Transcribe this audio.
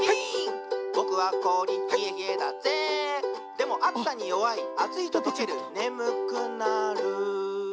「でもあつさによわいあついととけるねむくなる」